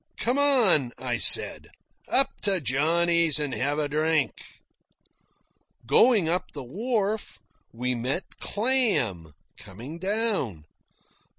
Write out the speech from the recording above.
"Come on," I said, "up to Johnny's and have a drink." Going up the wharf, we met Clam coming down.